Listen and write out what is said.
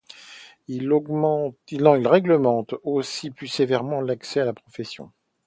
Il règlemente aussi plus sévèrement l'accès à la profession.